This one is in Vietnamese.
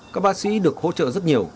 các bác sĩ được hỗ trợ rất nhiều